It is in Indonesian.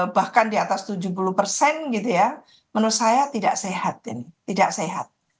bahkan di atas tujuh puluh persen gitu ya menurut saya tidak sehat tidak sehat